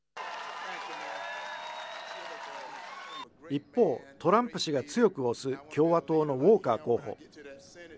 一方、トランプ氏が強く推す共和党のウォーカー候補。